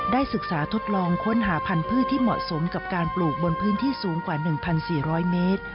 ศึกษาทดลองค้นหาพันธุ์ที่เหมาะสมกับการปลูกบนพื้นที่สูงกว่า๑๔๐๐เมตร